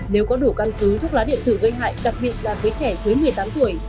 nếu có đủ căn cứ thuốc lá điện tử gây hại đặc biệt là với trẻ dưới một mươi tám tuổi